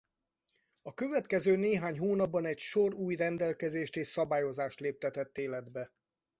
A következő néhány hónapban egy sor új rendelkezést és szabályozást léptetett életbe.